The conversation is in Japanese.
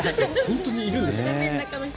本当にいるんですね。